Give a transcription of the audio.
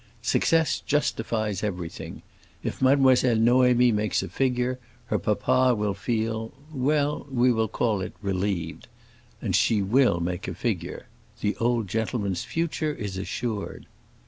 Success justifies everything. If Mademoiselle Noémie makes a figure, her papa will feel—well, we will call it relieved. And she will make a figure. The old gentleman's future is assured."